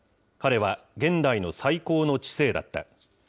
彼は現代の最高の知性だった。